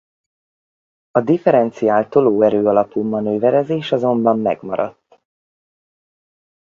A differenciált tolóerő alapú manőverezés azonban megmaradt.